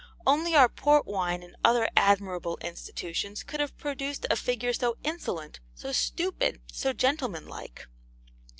Only our port wine and other admirable institutions could have produced a figure so insolent, so stupid, so gentleman like.